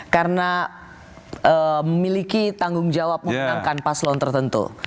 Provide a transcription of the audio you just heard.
karena memiliki tanggung jawab memenangkan paslon tertentu